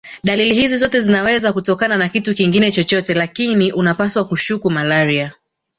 Dalili hizi zote zinaweza kutokana na kitu kingine chochote lakini unapaswa kushuku malaria